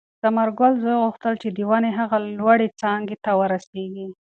د ثمرګل زوی غوښتل چې د ونې هغې لوړې څانګې ته ورسېږي.